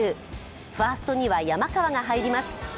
ファーストには山川が入ります。